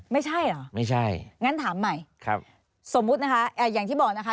ไม่ใช่เหรองั้นถามใหม่สมมตินะคะอย่างที่บอกนะคะ